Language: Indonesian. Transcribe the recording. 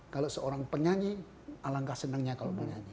kalau seorang penyanyi alangkah senangnya kalau penyanyi